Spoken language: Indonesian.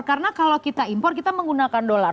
karena kalau kita impor kita menggunakan dolar